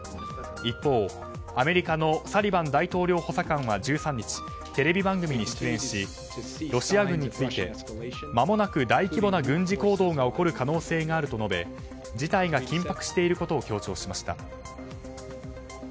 一方、アメリカのサリバン大統領補佐官は１３日テレビ番組に出演しロシア軍についてまもなく大規模な軍事行動が起こる可能性があると述べ事態が緊迫していることを強調しました。